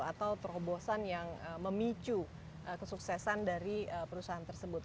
atau terobosan yang memicu kesuksesan dari perusahaan tersebut